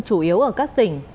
chủ yếu ở các tỉnh